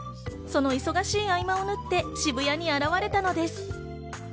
その忙しい合間を縫って、渋谷に現れたのです。